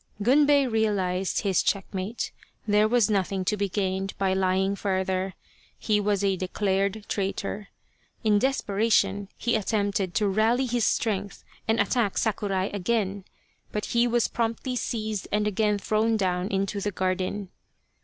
Gunbei realized his checkmate : there was nothing to be gained by lying further. He was a declared traitor. In desperation he attempted to rally his strength and attack Sakurai again, but he was promptly seized and again thrown down into the garden.